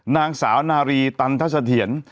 นางสาวนารีตัลท่าทะเถียน